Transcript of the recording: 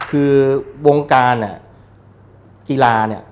คือวงการกีฬา